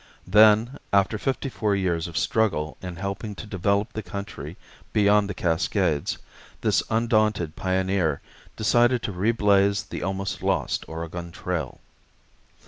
Then, after fifty four years of struggle in helping to develop the country beyond the Cascades, this undaunted pioneer decided to reblaze the almost lost Oregon Trail.